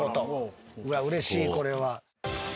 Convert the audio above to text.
うれしいこれは。